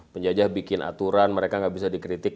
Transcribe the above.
mereka bikin aturan mereka enggak bisa dikritik